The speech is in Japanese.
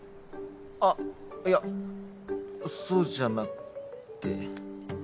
あっいやそうじゃなくて。